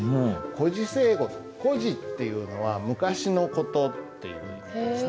「故事成語」「故事」っていうのは昔の事っていう意味ですね。